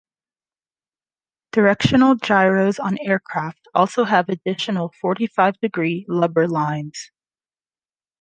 Directional Gyros on aircraft also have additional forty-five degree lubber lines.